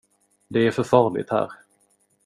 Det är för farligt här.